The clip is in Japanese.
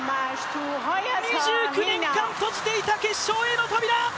２９年間、閉じていた決勝への扉。